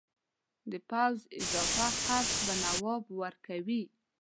د پوځ اضافه خرڅ به نواب ورکوي.